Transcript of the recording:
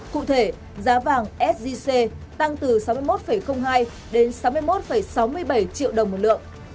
cụ thể giá vàng sgc tăng từ sáu mươi một hai đến sáu mươi một sáu mươi bảy triệu đồng một lượng